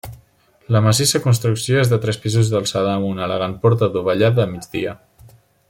La massissa construcció és de tres pisos d'alçada amb una elegant porta adovellada a migdia.